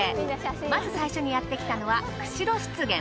まず最初にやってきたのは釧路湿原。